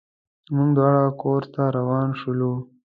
موږ دواړه کورس ته روان شولو.